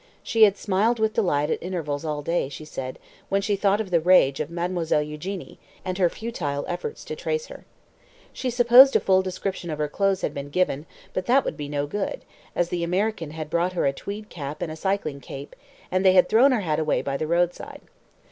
She had smiled with delight at intervals all day, she said, when she thought of the rage of Mademoiselle Eugénie, and her futile efforts to trace her. She supposed a full description of her clothes had been given, but that would be no good, as the American had brought her a tweed cap and a cycling cape, and they had thrown her hat away by the roadside.